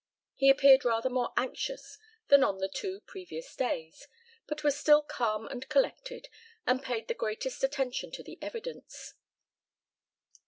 He appeared rather more anxious than on the two previous days, but was still calm and collected, and paid the greatest attention to the evidence.